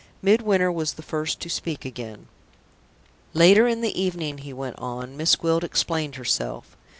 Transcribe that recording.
Midwinter was the first to speak again. "Later in the evening," he went on, "Miss Gwilt explained herself.